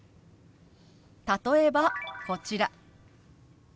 例えばこちら。